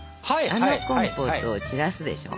あのコンポートを散らすでしょ。